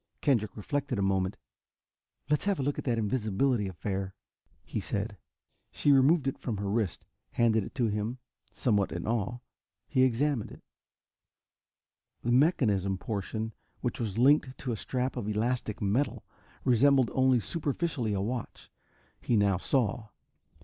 Kendrick reflected a moment. "Let's have a look at that invisibility affair," he said. She removed it from her wrist, handed it to him. Somewhat in awe, he examined it. The mechanism portion, which was linked in a strap of elastic metal, resembled only superficially a watch, he now saw.